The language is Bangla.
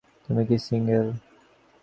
তুমি কি সিংগেল?